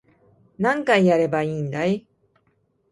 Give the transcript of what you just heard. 何回やればいいんだい